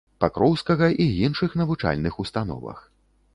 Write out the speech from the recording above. Пакроўскага і іншых навучальных установах.